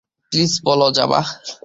Please বলো যাবা?